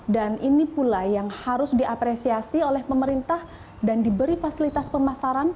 dan ini pula yang harus diapresiasi oleh pemerintah dan diberi fasilitas pemasaran